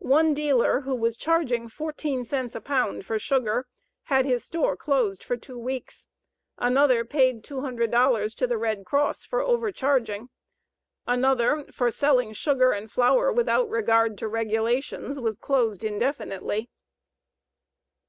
One dealer who was charging 14 cents a pound for sugar had his store closed for 2 weeks; another paid $200 to the Red Cross for overcharging; another, for selling sugar and flour without regard to regulations, was closed indefinitely.